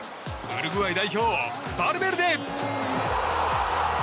ウルグアイ代表、バルベルデ。